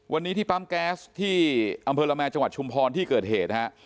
วันนี้ที่ปั๊มแก๊สที่อำเภอละแมจังหวัดชุมพรที่เกิดเหตุฮะ